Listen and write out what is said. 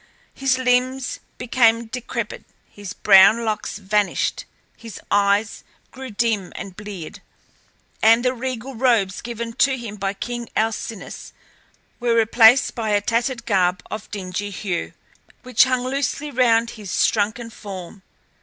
His limbs became decrepid, his brown locks vanished, his eyes grew dim and bleared, and the regal robes given to him by king Alcinous were replaced by a tattered garb of dingy hue, which hung loosely round his shrunken form.